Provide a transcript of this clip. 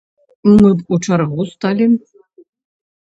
Мы б у чаргу сталі.